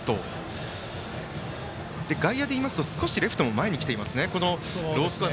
外野でいいますと少しレフトが前に来ました。